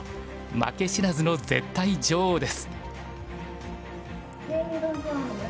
負け知らずの絶対女王です。